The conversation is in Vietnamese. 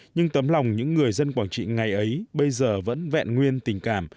nhưng tấm lòng những người dân quảng trị ngày ấy bây giờ vẫn vẹn nguyên tình cảm